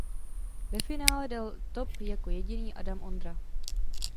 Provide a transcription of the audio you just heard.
Ve finále dal top jako jediný Adam Ondra.